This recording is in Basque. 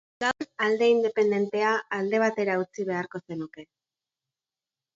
Gaur alde independentea alde batera utzi beharko zenuke.